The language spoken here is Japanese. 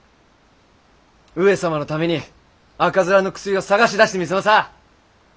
上様のために赤面の薬を探し出してみせまさぁ！